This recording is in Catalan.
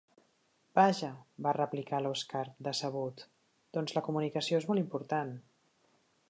Vaja —va replicar l'Oskar, decebut—, doncs la comunicació és molt important.